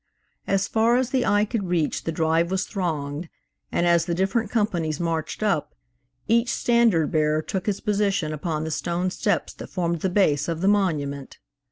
As far as the eye could reach the drive was thronged, and as the different companies marched up, each standard bearer took his position upon the stone steps that formed the base of the monument.